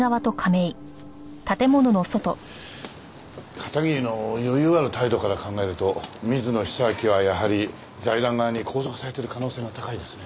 片桐の余裕ある態度から考えると水野久明はやはり財団側に拘束されている可能性が高いですね。